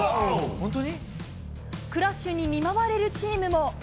クラッシュに見舞われるチームも。